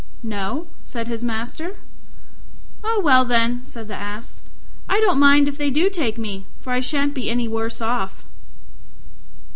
"No," said his master. "Oh, well, then," said the Ass, "I don't mind if they do take me, for I shan't be any worse off."